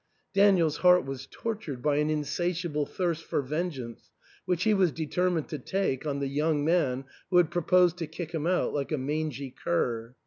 Daniel's heart was tortured by an insatiable thirst for vengeance, which he was determined to take on the young man who had proposed to kick him out like a mangy cur.